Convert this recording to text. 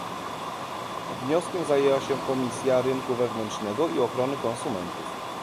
Wnioskiem zajęła się Komisja Rynku Wewnętrznego i Ochrony Konsumentów